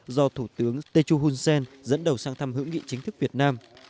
do thủ tướng techo hunsen dẫn đầu sang thăm hữu nghị chính thức việt nam